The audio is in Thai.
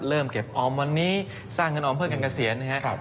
เริ่มเก็บออมวันนี้สร้างการออมเพื่อจัดเขียนตัวเวลา